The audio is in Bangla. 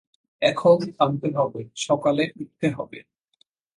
এখন থামতে হবে, সকালে উঠতে হবে।